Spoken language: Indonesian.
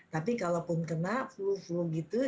tapi kalaupun kena flu flu gitu